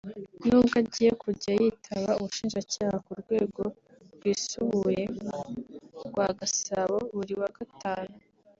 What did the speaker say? n’ubwo agiye kujya yitaba Ubushinjacyaha ku rwego rwisubuye rwa Gasabo buri wa Gatanu